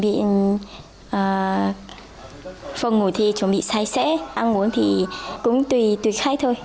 chúng ta chuẩn bị phòng ngủ thì chuẩn bị sai sẻ ăn ngủ thì cũng tùy khách thôi